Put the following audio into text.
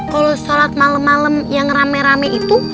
kalo solat malem malem yang rame rame itu